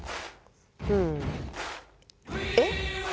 うん。えっ？